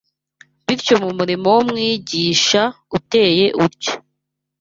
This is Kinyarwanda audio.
Bityo mu murimo w’umwigisha uteye utyo